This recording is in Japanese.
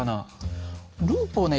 ループをね